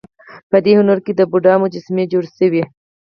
په دې هنر کې د بودا مجسمې جوړې شوې